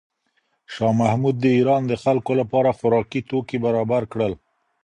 شاه محمود د ایران د خلکو لپاره خوراکي توکي برابر کړل.